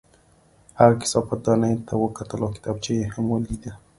هغه کثافت دانۍ ته وکتل او کتابچه یې هم ولیده